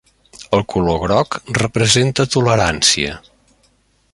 El color groc representa tolerància.